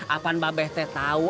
akan babeh teh tau